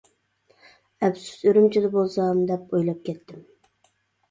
ئەپسۇس، ئۈرۈمچىدە بولسام. دەپ ئويلاپ كەتتىم.